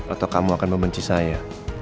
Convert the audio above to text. atau kamu akan membenci saya